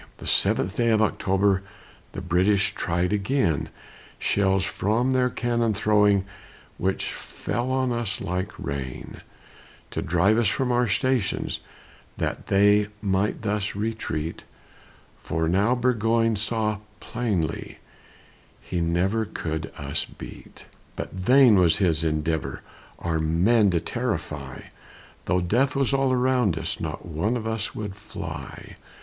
The seventh day of October The British tried again, Shells from their cannon throwing, Which fell on us like rain; To drive us from our stations, That they might thus retreat; For now Burgoyne saw plainly He never could us beat. But vain was his endeavor Our men to terrify; Though death was all around us, Not one of us would fly.